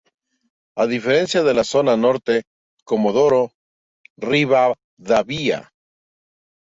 A diferencia de la zona norte Comodoro Rivadavia.